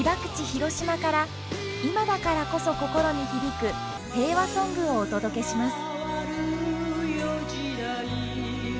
広島から今だからこそ心に響くへいわソングをお届けします